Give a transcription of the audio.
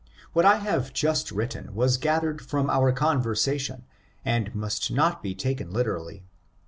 What I have just written was gathered from our conversation, and must not be taken literally.